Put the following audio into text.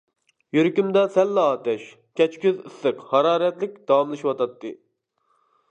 يۈرىكىمدە سەنلا ئاتەش، كەچكۈز ئىسسىق ھارارەتلىك داۋاملىشىۋاتاتتى.